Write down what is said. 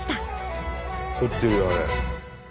とってるよあれ。